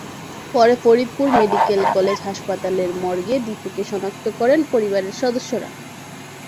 পরে Faridpur medical college হাসপাতালের মর্গে দীপুকে শনাক্ত করেন পরিবারের সদস্যরা।